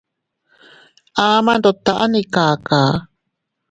Nduttaʼa ma ikaka.